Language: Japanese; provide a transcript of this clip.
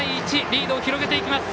リードを広げていきます